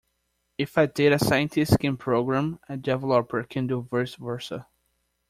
If a data scientist can program, a developer can do vice versa.